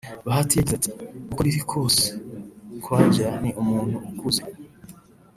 Bahati yagize ati “ Uko biri kose Croidja ni umuntu ukuze